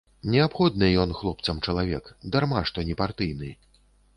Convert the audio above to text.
Неабходны ён хлопцам чалавек, дарма што непартыйны.